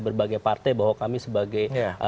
berbagai partai bahwa kami sebagai